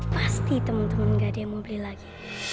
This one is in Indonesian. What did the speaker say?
pasti teman teman nggak ada yang mau beli lagi